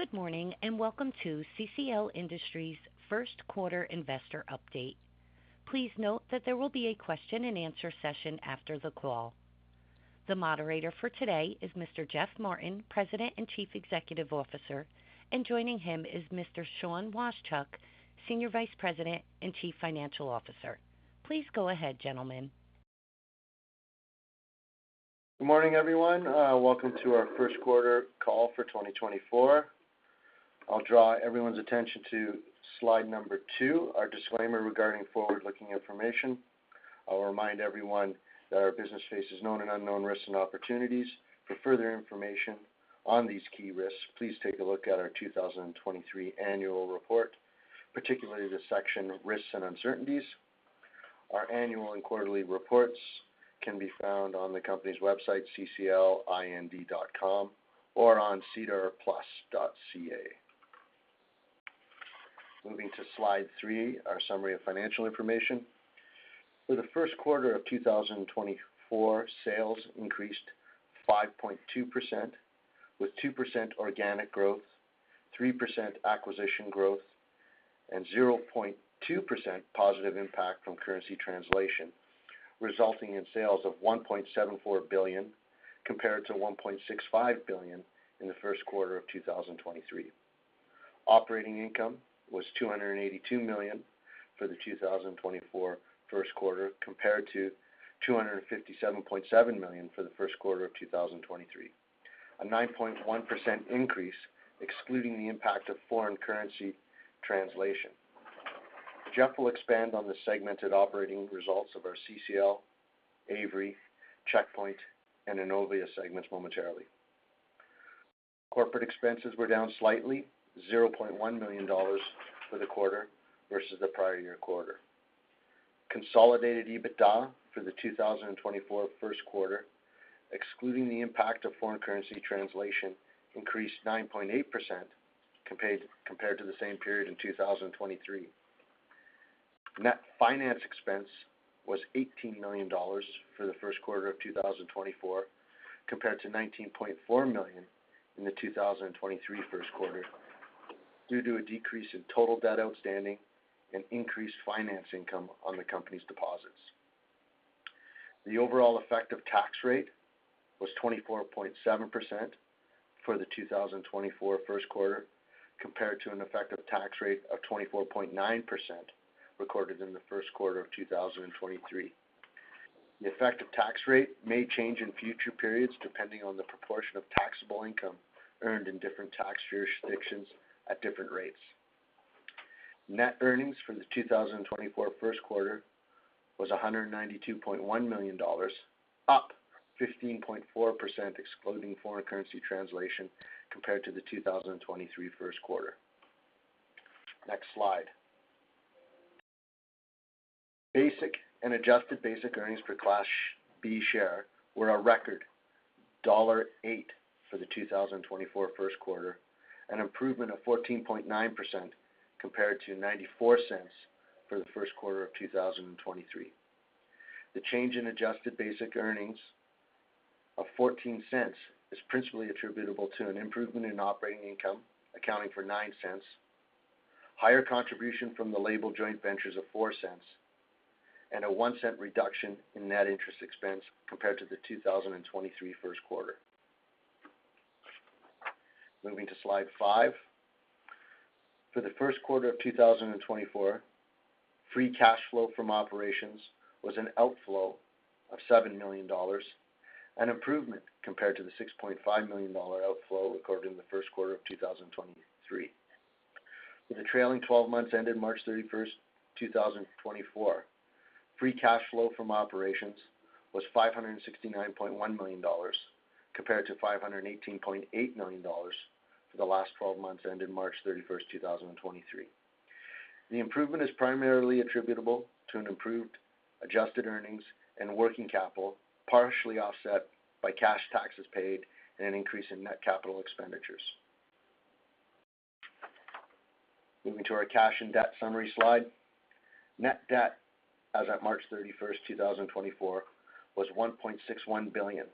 Good morning and welcome to CCL Industries' First Quarter Investor Update. Please note that there will be a question-and-answer session after the call. The moderator for today is Mr. Geoff Martin, President and Chief Executive Officer, and joining him is Mr. Sean Washchuk, Senior Vice President and Chief Financial Officer. Please go ahead, gentlemen. Good morning, everyone. Welcome to our First Quarter Call for 2024. I'll draw everyone's attention to slide number two, our disclaimer regarding forward-looking information. I'll remind everyone that our business faces known and unknown risks and opportunities. For further information on these key risks, please take a look at our 2023 annual report, particularly the section Risks and Uncertainties. Our annual and quarterly reports can be found on the company's website, cclind.com, or on sedarplus.ca. Moving to slide three, our summary of financial information. For the first quarter of 2024, sales increased 5.2% with 2% organic growth, 3% acquisition growth, and 0.2% positive impact from currency translation, resulting in sales of $1.74 billion compared to $1.65 billion in the first quarter of 2023. Operating income was 282 million for the 2024 first quarter compared to 257.7 million for the first quarter of 2023, a 9.1% increase excluding the impact of foreign currency translation. Geoff will expand on the segmented operating results of our CCL, Avery, Checkpoint, and Innovia segments momentarily. Corporate expenses were down slightly, 0.1 million dollars for the quarter versus the prior year quarter. Consolidated EBITDA for the 2024 first quarter, excluding the impact of foreign currency translation, increased 9.8% compared to the same period in 2023. Net finance expense was 18 million dollars for the first quarter of 2024 compared to 19.4 million in the 2023 first quarter due to a decrease in total debt outstanding and increased finance income on the company's deposits. The overall effective tax rate was 24.7% for the 2024 first quarter compared to an effective tax rate of 24.9% recorded in the first quarter of 2023. The effective tax rate may change in future periods depending on the proportion of taxable income earned in different tax jurisdictions at different rates. Net earnings for the 2024 first quarter was 192.1 million dollars, up 15.4% excluding foreign currency translation compared to the 2023 first quarter. Next slide. Basic and adjusted basic earnings per Class B share were a record, dollar 8 for the 2024 first quarter, an improvement of 14.9% compared to 0.94 for the first quarter of 2023. The change in adjusted basic earnings of 0.14 is principally attributable to an improvement in operating income accounting for 0.09, higher contribution from the label joint ventures of 0.04, and a 0.01 reduction in net interest expense compared to the 2023 first quarter. Moving to slide 5. For the first quarter of 2024, free cash flow from operations was an outflow of $7 million, an improvement compared to the $6.5 million outflow recorded in the first quarter of 2023. For the trailing 12 months ended March 31, 2024, free cash flow from operations was $569.1 million compared to $518.8 million for the last 12 months ended March 31, 2023. The improvement is primarily attributable to an improved adjusted earnings and working capital partially offset by cash taxes paid and an increase in net capital expenditures. Moving to our cash and debt summary slide. Net debt as of March 31, 2024 was $1.61 billion,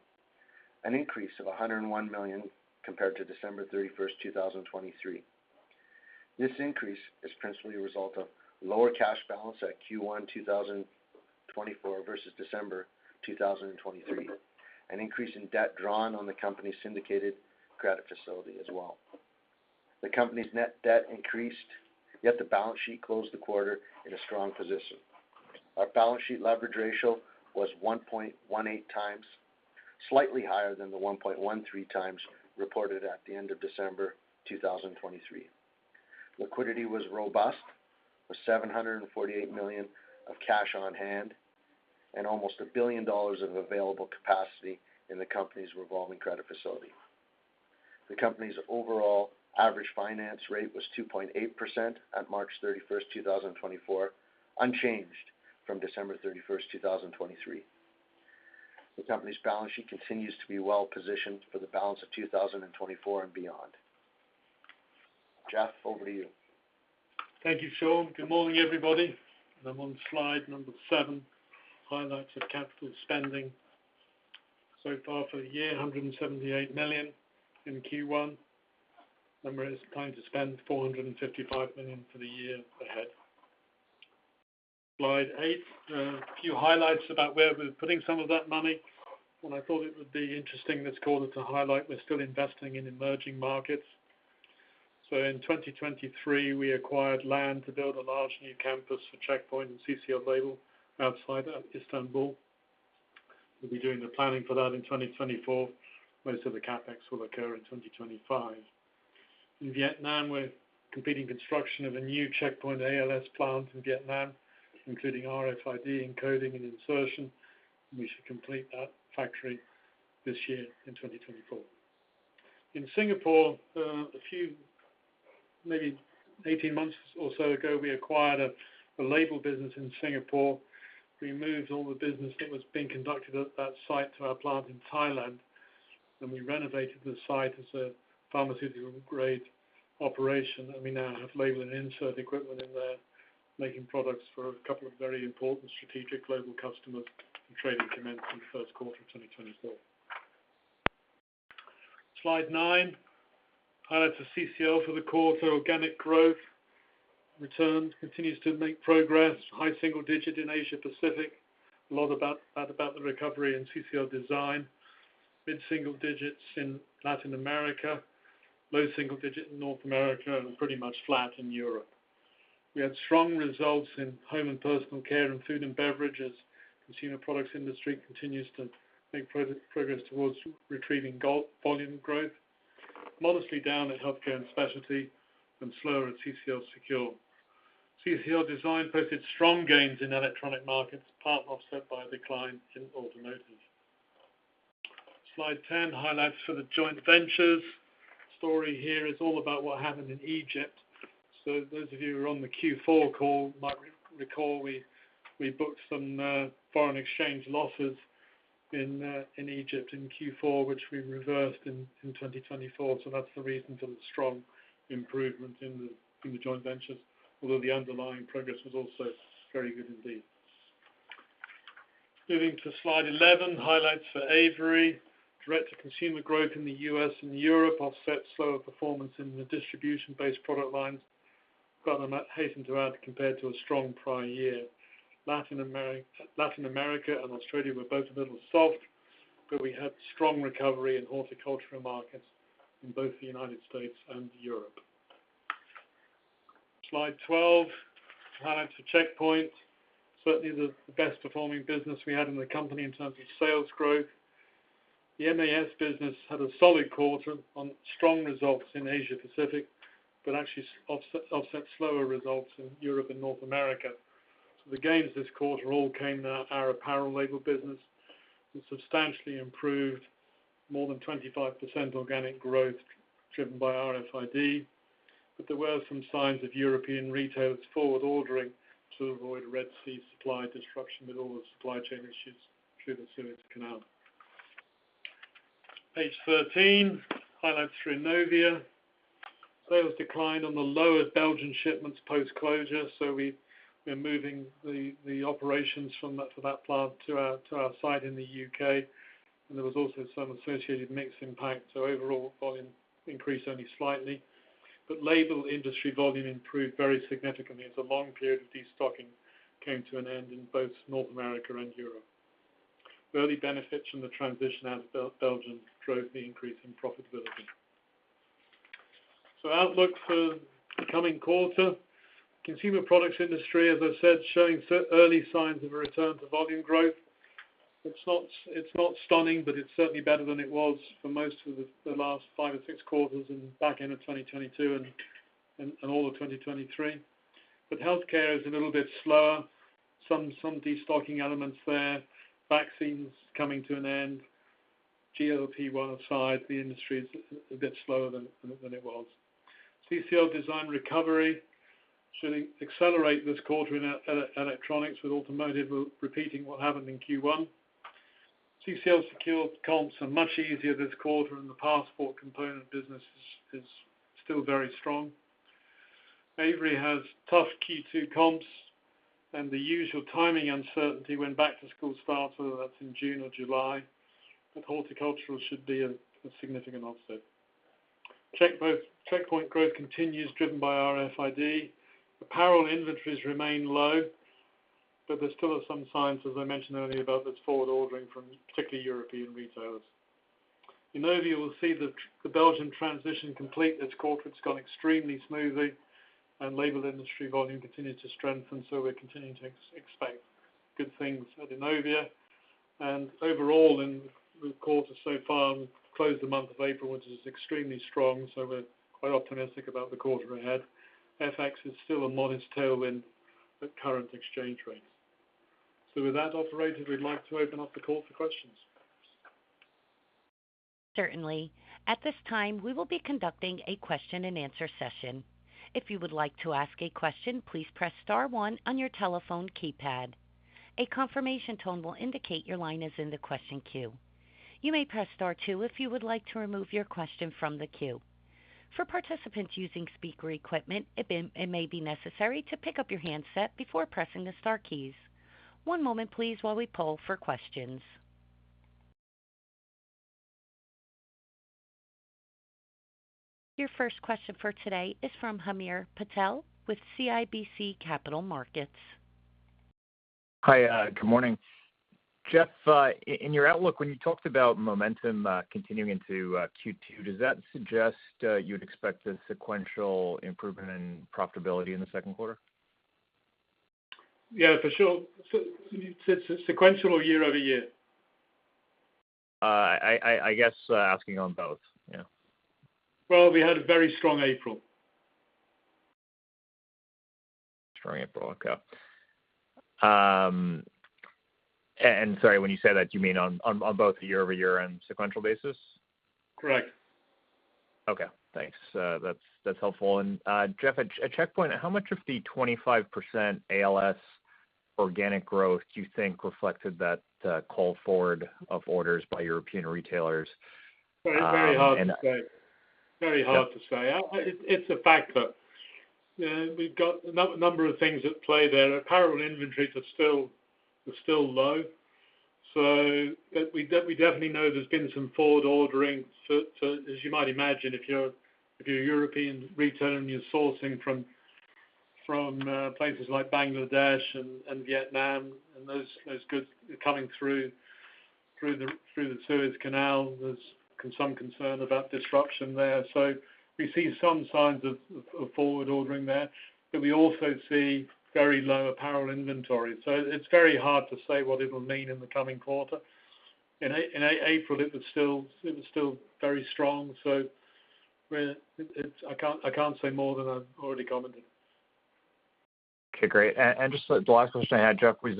an increase of $101 million compared to December 31, 2023. This increase is principally a result of lower cash balance at Q1 2024 versus December 2023, an increase in debt drawn on the company's syndicated credit facility as well. The company's net debt increased, yet the balance sheet closed the quarter in a strong position. Our balance sheet leverage ratio was 1.18x, slightly higher than the 1.13x reported at the end of December 2023. Liquidity was robust with 748 million of cash on hand and almost 1 billion dollars of available capacity in the company's revolving credit facility. The company's overall average finance rate was 2.8% at March 31, 2024, unchanged from December 31, 2023. The company's balance sheet continues to be well positioned for the balance of 2024 and beyond. Geoff, over to you. Thank you, Sean. Good morning, everybody. I'm on slide 7, highlights of capital spending. So far for the year, 178 million in Q1. We're planning to spend 455 million for the year ahead. Slide 8, a few highlights about where we're putting some of that money. When I thought it would be interesting this quarter to highlight, we're still investing in emerging markets. So in 2023, we acquired land to build a large new campus for Checkpoint and CCL Label outside of Istanbul. We'll be doing the planning for that in 2024. Most of the CapEx will occur in 2025. In Vietnam, we're completing construction of a new Checkpoint ALS plant in Vietnam, including RFID encoding and insertion. We should complete that factory this year in 2024. In Singapore, a few maybe 18 months or so ago, we acquired a label business in Singapore. We moved all the business that was being conducted at that site to our plant in Thailand, and we renovated the site as a pharmaceutical-grade operation. We now have label and insert equipment in there, making products for a couple of very important strategic global customers and trading commenced in the first quarter of 2024. Slide 9, highlights of CCL for the quarter. Organic growth returned, continues to make progress. High single digit in Asia Pacific, a lot about the recovery in CCL Design. Mid single digits in Latin America, low single digit in North America, and pretty much flat in Europe. We had strong results in home and personal care and food and beverages. Consumer products industry continues to make progress towards retrieving volume growth. Modestly down at healthcare and specialty and slower at CCL Secure. CCL Design posted strong gains in electronics markets, partly offset by a decline in automotive. Slide 10 highlights for the joint ventures. Story here is all about what happened in Egypt. So those of you who were on the Q4 call might recall we booked some foreign exchange losses in Egypt in Q4, which we reversed in 2024. So that's the reason for the strong improvement in the joint ventures, although the underlying progress was also very good indeed. Moving to slide 11, highlights for Avery. Direct to consumer growth in the U.S. and Europe offset slower performance in the distribution-based product lines. I hasten to add compared to a strong prior year. Latin America and Australia were both a little soft, but we had strong recovery in horticulture markets in both the United States and Europe. Slide 12, highlights for Checkpoint. Certainly, the best performing business we had in the company in terms of sales growth. The MAS business had a solid quarter on strong results in Asia Pacific, but actually offset slower results in Europe and North America. So the gains this quarter all came now out of apparel label business. It substantially improved, more than 25% organic growth driven by RFID. But there were some signs of European retailers forward ordering to avoid Red Sea supply disruption with all the supply chain issues through the Suez Canal. Page 13, highlights for Innovia. Sales declined on the lowest Belgian shipments post-closure. So we're moving the operations for that plant to our site in the U.K. And there was also some associated mixed impact. So overall volume increased only slightly. But label industry volume improved very significantly as a long period of destocking came to an end in both North America and Europe. Early benefits from the transition out of Belgium drove the increase in profitability. So outlook for the coming quarter. Consumer products industry, as I said, showing early signs of a return to volume growth. It's not stunning, but it's certainly better than it was for most of the last five or six quarters and back end of 2022 and all of 2023. But healthcare is a little bit slower. Some destocking elements there. Vaccines coming to an end. GLP-1 aside, the industry is a bit slower than it was. CCL Design recovery should accelerate this quarter in electronics with automotive repeating what happened in Q1. CCL Secure comps are much easier this quarter and the passport component business is still very strong. Avery has tough Q2 comps and the usual timing uncertainty when back-to-school starts, whether that's in June or July. But horticultural should be a significant offset. Checkpoint growth continues driven by RFID. Apparel inventories remain low, but there still are some signs, as I mentioned earlier, about this forward ordering from particularly European retailers. Innovia, we'll see the Belgian transition complete this quarter. It's gone extremely smoothly and label industry volume continues to strengthen. So we're continuing to expect good things at Innovia. And overall, in the quarter so far, we've closed the month of April, which is extremely strong. So we're quite optimistic about the quarter ahead. FX is still a modest tailwind at current exchange rates. So with that, operator, we'd like to open up the call for questions. Certainly. At this time, we will be conducting a question-and-answer session. If you would like to ask a question, please press star 1 on your telephone keypad. A confirmation tone will indicate your line is in the question queue. You may press star 2 if you would like to remove your question from the queue. For participants using speaker equipment, it may be necessary to pick up your handset before pressing the star keys. One moment, please, while we pull for questions. Your first question for today is from Hamir Patel with CIBC Capital Markets. Hi. Good morning. Geoff, in your outlook, when you talked about momentum continuing into Q2, does that suggest you would expect a sequential improvement in profitability in the second quarter? Yeah, for sure. Sequential or year over year? I guess asking on both. Yeah. Well, we had a very strong April. Strong April. Okay. Sorry, when you say that, do you mean on both a year-over-year and sequential basis? Correct. Okay. Thanks. That's helpful. Geoff, at Checkpoint, how much of the 25% ALS organic growth do you think reflected that call forward of orders by European retailers? Very hard to say. Very hard to say. It's a factor. We've got a number of things at play there. Apparel inventories are still low. So we definitely know there's been some forward ordering. As you might imagine, if you're a European retailer and you're sourcing from places like Bangladesh and Vietnam and those goods coming through the Suez Canal, there's some concern about disruption there. So we see some signs of forward ordering there. But we also see very low apparel inventory. So it's very hard to say what it'll mean in the coming quarter. In April, it was still very strong. So I can't say more than I've already commented. Okay. Great. And just the last question I had, Geoff, was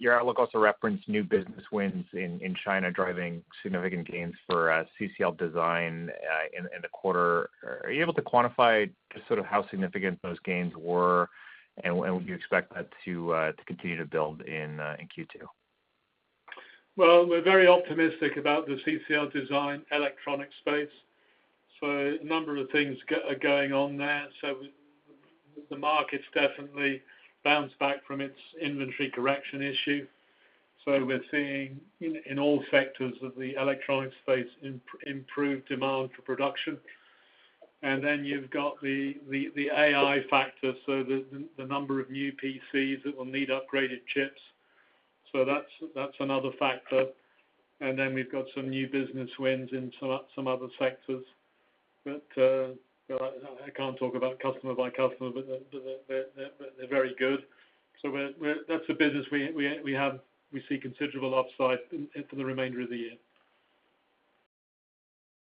your outlook also referenced new business wins in China driving significant gains for CCL Design in the quarter. Are you able to quantify just sort of how significant those gains were? And would you expect that to continue to build in Q2? Well, we're very optimistic about the CCL Design electronics space. So a number of things are going on there. So the market's definitely bounced back from its inventory correction issue. So we're seeing in all sectors of the electronics space improved demand for production. And then you've got the AI factor, so the number of new PCs that will need upgraded chips. So that's another factor. And then we've got some new business wins in some other sectors. But I can't talk about customer by customer, but they're very good. So that's a business we see considerable upside for the remainder of the year.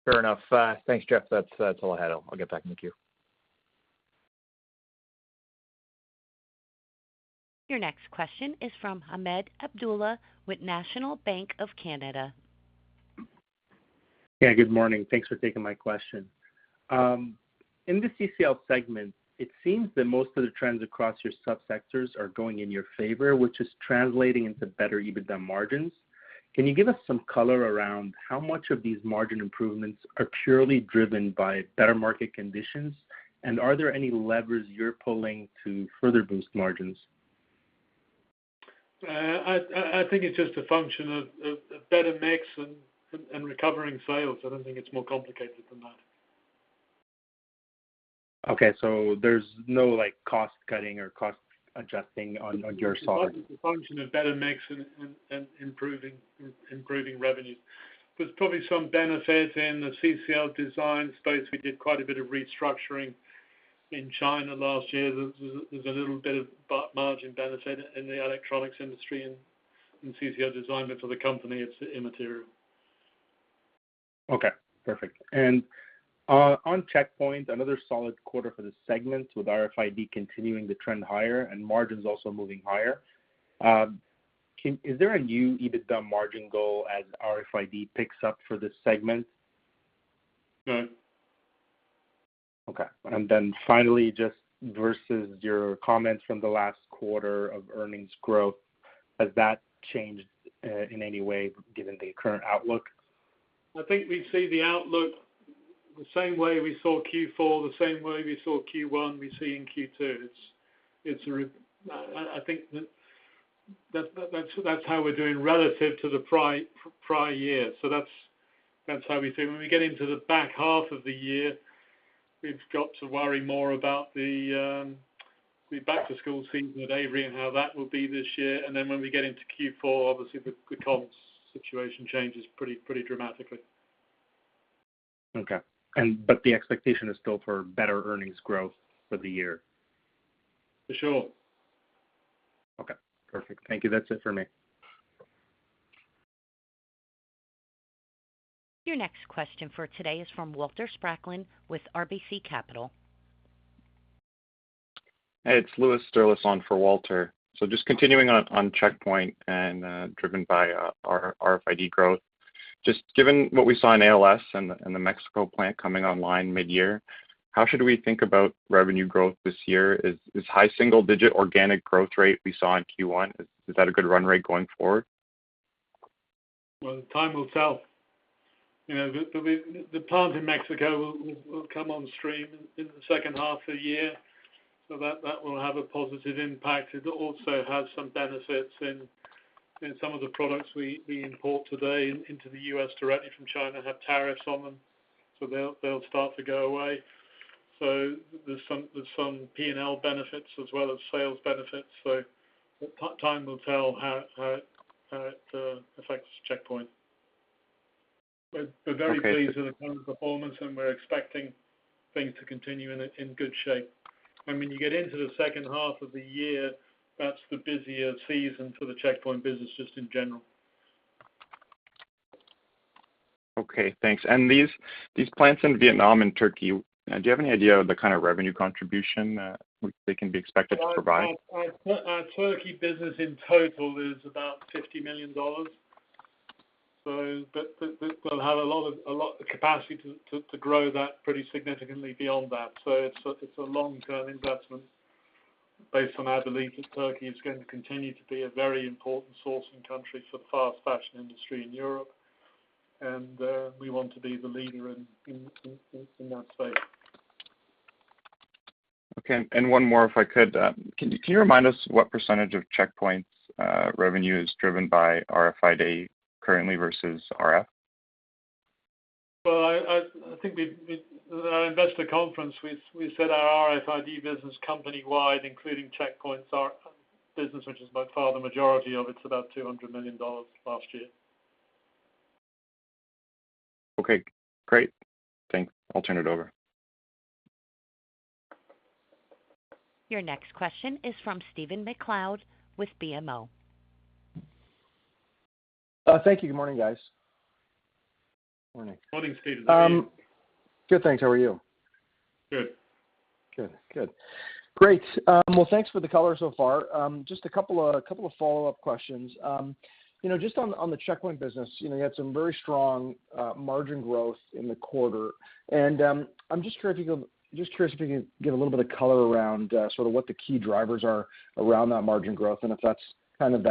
Fair enough. Thanks, Geoff. That's all I had. I'll get back in the queue. Your next question is from Ahmed Abdullah with National Bank of Canada. Yeah. Good morning. Thanks for taking my question. In the CCL segment, it seems that most of the trends across your subsectors are going in your favor, which is translating into better EBITDA margins. Can you give us some color around how much of these margin improvements are purely driven by better market conditions? And are there any levers you're pulling to further boost margins? I think it's just a function of better mix and recovering sales. I don't think it's more complicated than that. So there's no cost-cutting or cost-adjusting on your side? It's a function of better mix and improving revenues. There's probably some benefit in the CCL Design space. We did quite a bit of restructuring in China last year. There's a little bit of margin benefit in the electronics industry and CCL Design. But for the company, it's immaterial. Perfect. And on Checkpoint, another solid quarter for this segment with RFID continuing the trend higher and margins also moving higher. Is there a new EBITDA margin goal as RFID picks up for this segment? No. Finally, just versus your comments from the last quarter of earnings growth, has that changed in any way given the current outlook? I think we see the outlook the same way we saw Q4, the same way we saw Q1, we see in Q2. I think that's how we're doing relative to the prior year. That's how we see it. When we get into the back half of the year, we've got to worry more about the back-to-school season at Avery and how that will be this year. Then when we get into Q4, obviously, the comps situation changes pretty dramatically. But the expectation is still for better earnings growth for the year? For sure. Perfect. Thank you. That's it for me. Your next question for today is from Walter Spracklin with RBC Capital. Hey. It's Louis Savalle on for Walter. So just continuing on Checkpoint and driven by RFID growth, just given what we saw in ALS and the Mexico plant coming online mid-year, how should we think about revenue growth this year? Is high single-digit organic growth rate we saw in Q1, is that a good run rate going forward? Well, time will tell. The plants in Mexico will come on stream in the second half of the year. That will have a positive impact. It also has some benefits in some of the products we import today into the U.S. directly from China have tariffs on them. They'll start to go away. There's some P&L benefits as well as sales benefits. Time will tell how it affects Checkpoint. We're very pleased with the current performance, and we're expecting things to continue in good shape. When you get into the second half of the year, that's the busiest season for the Checkpoint business just in general. Thanks. And these plants in Vietnam and Turkey, do you have any idea of the kind of revenue contribution they can be expected to provide? Our Turkey business in total is about $50 million. They'll have a lot of capacity to grow that pretty significantly beyond that. It's a long-term investment based on our belief that Turkey is going to continue to be a very important sourcing country for the fast fashion industry in Europe. We want to be the leader in that space. And one more, if I could. Can you remind us what percentage of Checkpoint's revenue is driven by RFID currently versus RF? Well, I think at our investor conference, we said our RFID business company-wide, including Checkpoint's business, which is by far the majority of it, it's about 200 million dollars last year. Okay. Great. Thanks. I'll turn it over. Your next question is from Stephen MacLeod with BMO. Thank you. Good morning, guys. Morning. Morning, Stephen. How are you? Good, thanks. How are you? Good. Great. Well, thanks for the color so far. Just a couple of follow-up questions. Just on the Checkpoint business, you had some very strong margin growth in the quarter. And I'm just curious if you can give a little bit of color around sort of what the key drivers are around that margin growth and if that's kind of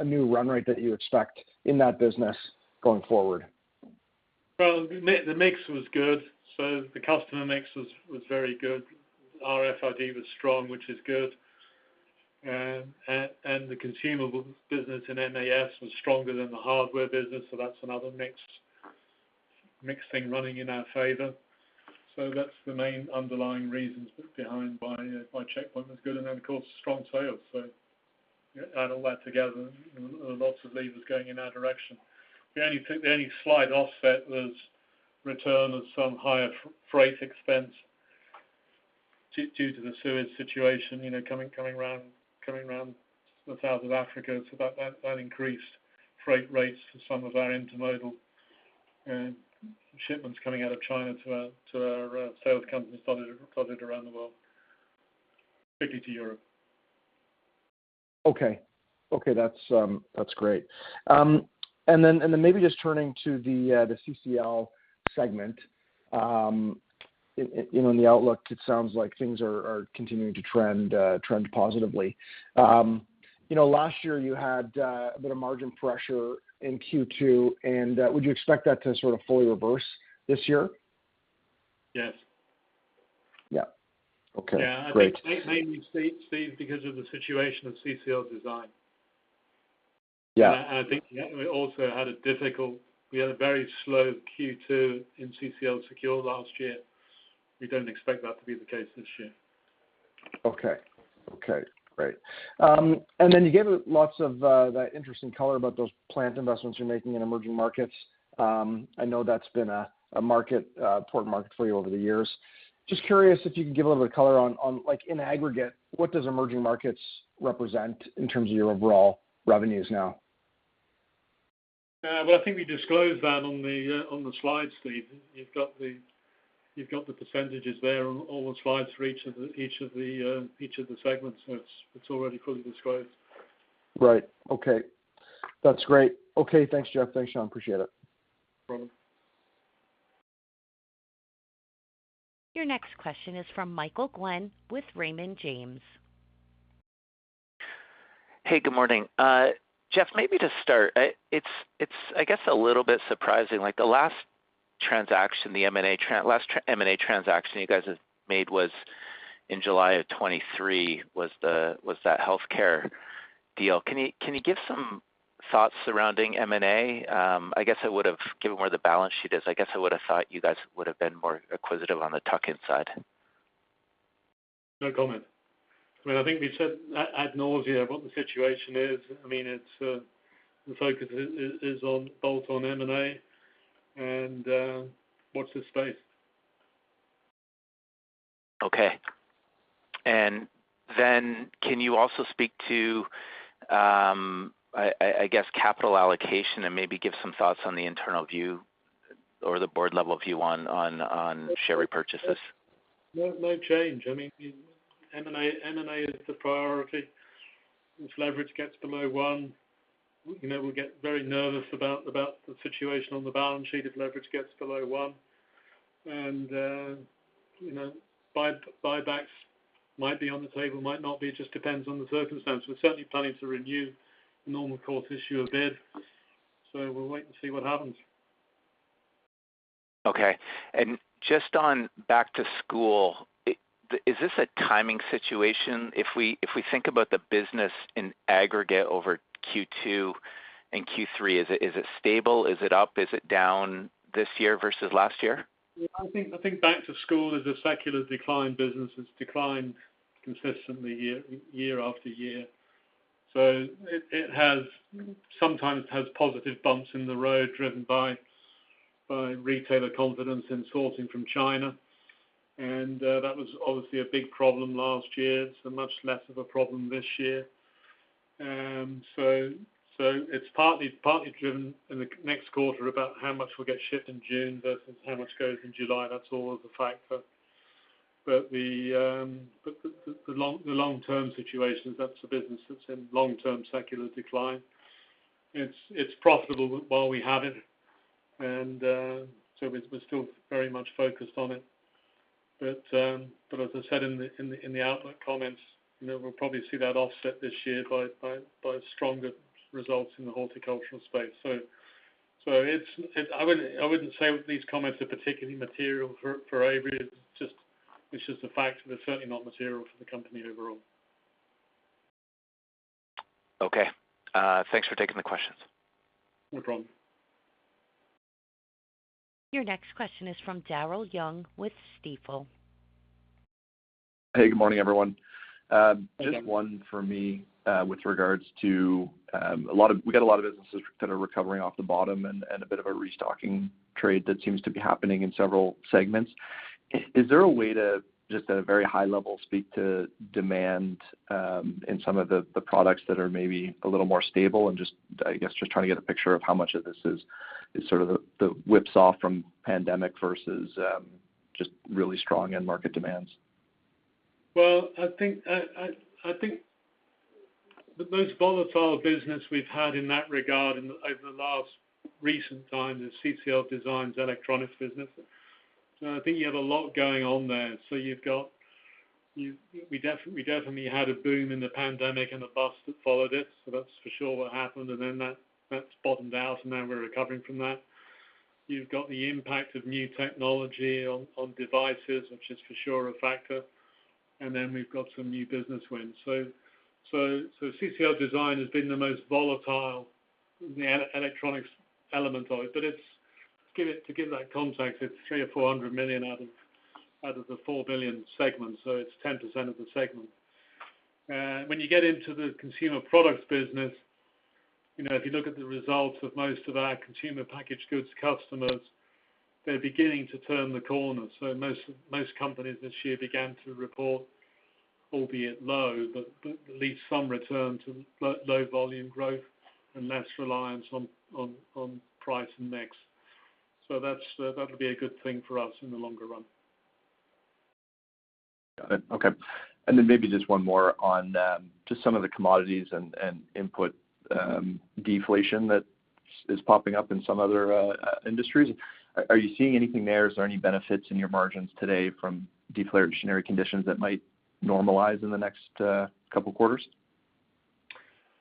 a new run rate that you expect in that business going forward. Well, the mix was good. So the customer mix was very good. RFID was strong, which is good. And the consumer business in MAS was stronger than the hardware business. So that's another mixed thing running in our favor. So that's the main underlying reasons behind why Checkpoint was good. And then, of course, strong sales. So add all that together, lots of levers going in our direction. The only slight offset was return of some higher freight expense due to the Suez situation coming around the south of Africa. So that increased freight rates for some of our intermodal shipments coming out of China to our sales companies dotted around the world, particularly to Europe. That's great. Then maybe just turning to the CCL segment. In the outlook, it sounds like things are continuing to trend positively. Last year, you had a bit of margin pressure in Q2. Would you expect that to sort of fully reverse this year? Yes. Great. I think mainly, Steve, because of the situation of CCL Design. And I think we also had a very slow Q2 in CCL Secure last year. We don't expect that to be the case this year. Great. And then you gave lots of interesting color about those plant investments you're making in emerging markets. I know that's been an important market for you over the years. Just curious if you can give a little bit of color on in aggregate, what does emerging markets represent in terms of your overall revenues now? Well, I think we disclosed that on the slide, Steve. You've got the percentages there on all the slides for each of the segments. So it's already fully disclosed. That's great. Thanks, Geoff. Thanks, Sean. Appreciate it. No problem. Your next question is from Michael Glen with Raymond James. Good morning. Geoff, maybe to start, it's, I guess, a little bit surprising. The last transaction, the M&A last M&A transaction you guys have made was in July of 2023, was that healthcare deal. Can you give some thoughts surrounding M&A? I guess I would have given where the balance sheet is. I guess I would have thought you guys would have been more acquisitive on the tuck-in side. No comment. I mean, I think we said I had no idea what the situation is. I mean, the focus is both on M&A and what's the space. And then can you also speak to capital allocation and maybe give some thoughts on the internal view or the board-level view on share repurchases? No change. I mean, M&A is the priority. If leverage gets below 1, we'll get very nervous about the situation on the balance sheet if leverage gets below 1. And buybacks might be on the table, might not be. It just depends on the circumstances. We're certainly planning to renew the normal course issuer bid. So we'll wait and see what happens. Okay. Just on back-to-school, is this a timing situation? If we think about the business in aggregate over Q2 and Q3, is it stable? Is it up? Is it down this year versus last year? I think back-to-school is a secular decline. Business has declined consistently year after year. So it sometimes has positive bumps in the road driven by retailer confidence in sourcing from China. And that was obviously a big problem last year. It's a much less of a problem this year. So it's partly driven in the next quarter about how much will get shipped in June versus how much goes in July. That's always a factor. But the long-term situation is that's a business that's in long-term secular decline. It's profitable while we have it. And so we're still very much focused on it. But as I said in the outlook comments, we'll probably see that offset this year by stronger results in the horticultural space. So I wouldn't say these comments are particularly material for Avery. It's just the fact that they're certainly not material for the company overall. Okay. Thanks for taking the questions. No problem. Your next question is from Darryl Young with Stifel. Hey. Good morning, everyone. Just one for me with regards to a lot of we got a lot of businesses that are recovering off the bottom and a bit of a restocking trade that seems to be happening in several segments. Is there a way to, just at a very high level, speak to demand in some of the products that are maybe a little more stable and, I guess, just trying to get a picture of how much of this is sort of the whipsaw from pandemic versus just really strong end-market demands? Well, I think the most volatile business we've had in that regard over the last recent time is CCL Design's electronics business. So I think you have a lot going on there. So we definitely had a boom in the pandemic and a bust that followed it. So that's for sure what happened. And then that's bottomed out, and now we're recovering from that. You've got the impact of new technology on devices, which is for sure a factor. And then we've got some new business wins. So CCL Design has been the most volatile electronics element of it. But to give that context, it's 300 million to 400 million out of the 4 billion segments. So it's 10% of the segment. When you get into the consumer products business, if you look at the results of most of our consumer packaged goods customers, they're beginning to turn the corner. Most companies this year began to report, albeit low, but at least some return to low-volume growth and less reliance on price and mix. That'll be a good thing for us in the longer run. Got it. Okay. And then maybe just one more on just some of the commodities and input deflation that is popping up in some other industries. Are you seeing anything there? Is there any benefits in your margins today from deflationary conditions that might normalize in the next couple of quarters?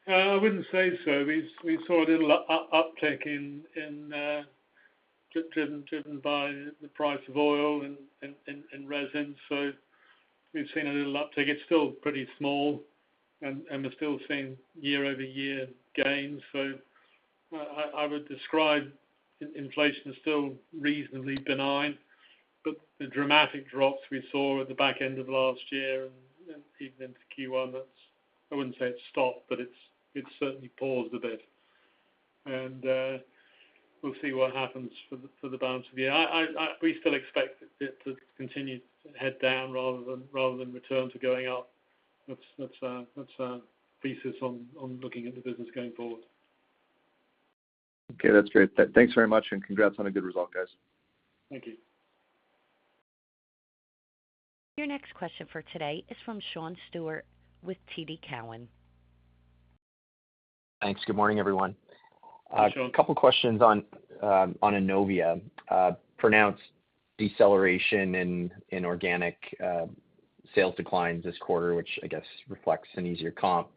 I wouldn't say so. We saw a little uptick driven by the price of oil and resins. So we've seen a little uptick. It's still pretty small, and we're still seeing year-over-year gains. So I would describe inflation as still reasonably benign. But the dramatic drops we saw at the back end of last year and even into Q1, I wouldn't say it stopped, but it certainly paused a bit. And we'll see what happens for the balance of the year. We still expect it to continue to head down rather than return to going up. That's our thesis on looking at the business going forward. Okay. That's great. Thanks very much, and congrats on a good result, guys. Thank you. Your next question for today is from Sean Steuart with TD Cowen. Thanks. Good morning, everyone. Hi, Sean. A couple of questions on Innovia. Pronounced deceleration in organic sales declines this quarter, which, I guess, reflects an easier comp.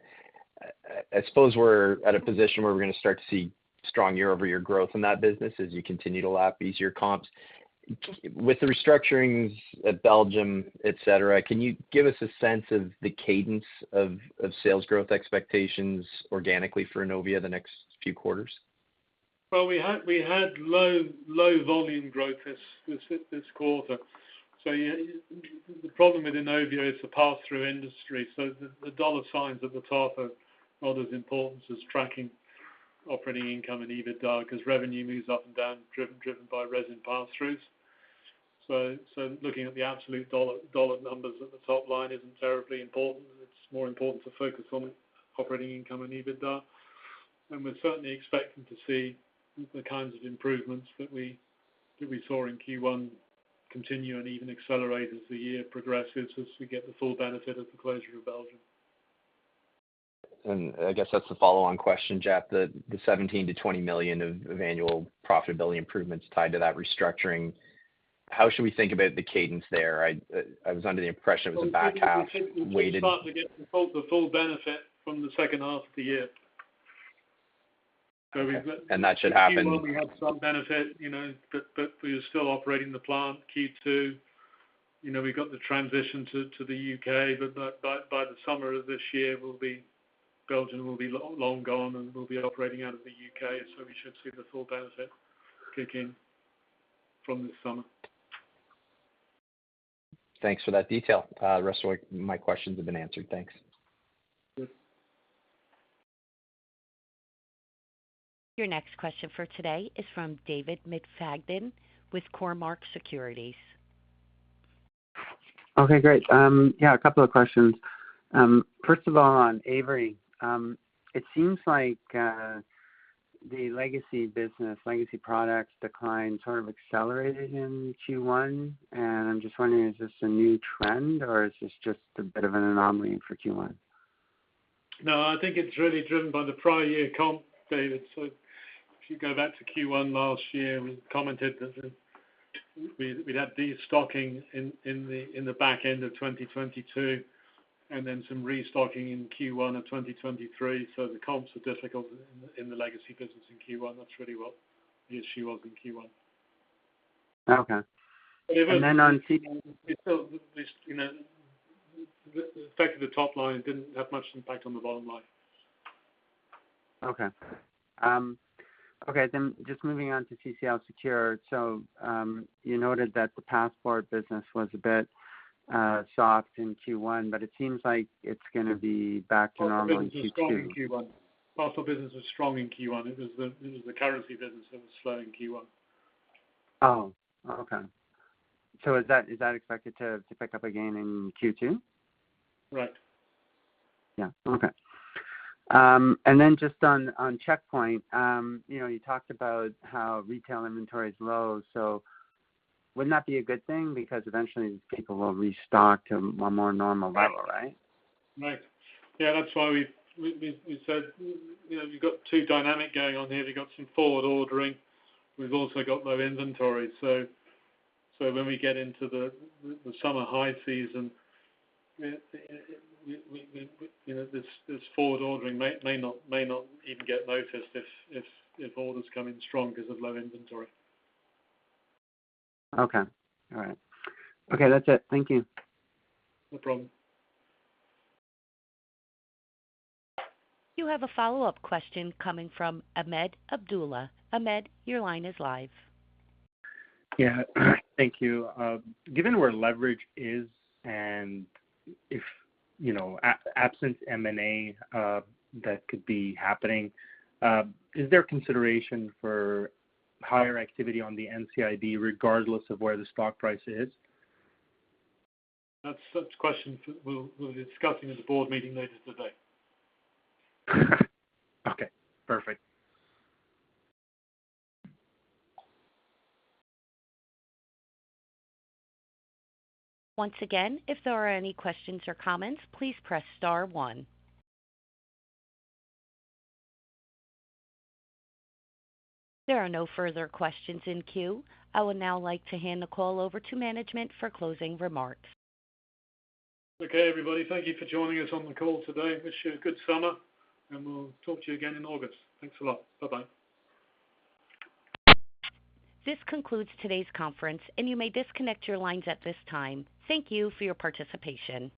I suppose we're at a position where we're going to start to see strong year-over-year growth in that business as you continue to lap easier comps. With the restructurings at Belgium, etc., can you give us a sense of the cadence of sales growth expectations organically for Innovia the next few quarters? Well, we had low-volume growth this quarter. So the problem with Innovia is the pass-through industry. So the dollar signs at the top are not as important as tracking operating income and EBITDA because revenue moves up and down driven by resin pass-throughs. So looking at the absolute dollar numbers at the top line isn't terribly important. It's more important to focus on operating income and EBITDA. And we're certainly expecting to see the kinds of improvements that we saw in Q1 continue and even accelerate as the year progresses as we get the full benefit of the closure of Belgium. I guess that's the follow-on question, Geoff, the 17 million-20 million of annual profitability improvements tied to that restructuring. How should we think about the cadence there? I was under the impression it was a back half, weighted. We're starting to get the full benefit from the second half of the year. That should happen. Q1, we had some benefit, but we were still operating the plant. Q2, we got the transition to the UK, but by the summer of this year, Belgium will be long gone, and we'll be operating out of the UK. So we should see the full benefit kick in from this summer. Thanks for that detail. The rest of my questions have been answered. Thanks. Good. Your next question for today is from David McFadgen with Cormark Securities. Okay. Great. Yeah. A couple of questions. First of all, on Avery, it seems like the legacy business, legacy products decline sort of accelerated in Q1. I'm just wondering, is this a new trend, or is this just a bit of an anomaly for Q1? No. I think it's really driven by the prior year comp, David. So if you go back to Q1 last year, we commented that we'd had destocking in the back end of 2022 and then some restocking in Q1 of 2023. So the comps were difficult in the legacy business in Q1. That's really what the issue was in Q1. Okay. And then on CCL Secure. But the fact of the top line didn't have much impact on the bottom line. Okay. Okay. Then just moving on to CCL Secure. So you noted that the passport business was a bit soft in Q1, but it seems like it's going to be back to normal in Q2. Passport business was strong in Q1. Passport business was strong in Q1. It was the currency business that was slow in Q1. Oh. Okay. So is that expected to pick up again in Q2? Right. Yeah. Okay. And then just on Checkpoint, you talked about how retail inventory is low. So wouldn't that be a good thing because eventually, these people will restock to a more normal level, right? Right. Yeah. That's why we said you've got two dynamics going on here. You've got some forward ordering. We've also got low inventory. So when we get into the summer high season, this forward ordering may not even get noticed if orders come in strong because of low inventory. Okay. All right. Okay. That's it. Thank you. No problem. You have a follow-up question coming from Ahmed Abdullah. Ahmed, your line is live. Yeah. Thank you. Given where leverage is and absent M&A that could be happening, is there consideration for higher activity on the NCIB regardless of where the stock price is? That's such a question we'll be discussing at the board meeting later today. Okay. Perfect. Once again, if there are any questions or comments, please press star 1. There are no further questions in queue. I would now like to hand the call over to management for closing remarks. Okay, everybody. Thank you for joining us on the call today. Wish you a good summer, and we'll talk to you again in August. Thanks a lot. Bye-bye. This concludes today's conference, and you may disconnect your lines at this time. Thank you for your participation.